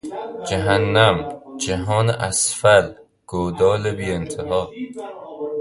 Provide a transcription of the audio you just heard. جهنم، جهان اسفل، گودال بیانتها